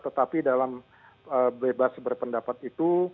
tetapi dalam bebas berpendapat itu